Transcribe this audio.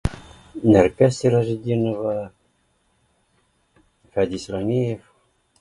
Нәркәс Сиражетдинова, Фәдис Ғәниев